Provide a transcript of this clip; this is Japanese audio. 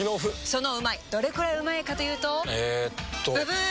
そのうまいどれくらいうまいかというとえっとブブー！